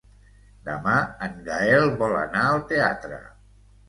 Demà en Gaël vol anar al teatre.